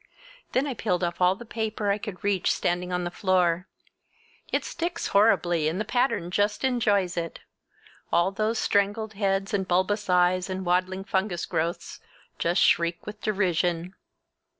Then I peeled off all the paper I could reach standing on the floor. It sticks horribly and the pattern just enjoys it! All those strangled heads and bulbous eyes and waddling fungus growths just shriek with derision!